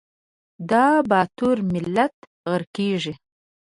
دا باتور ملت غرقیږي